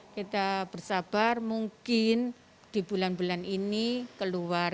kita bersabar mungkin di bulan bulan ini keluar